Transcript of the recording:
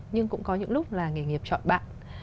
nhưng cũng có những lúc là nghề nghiệp chọn bạn